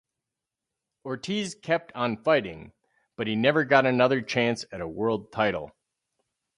Ortiz kept on fighting, but he never got another chance at a world title.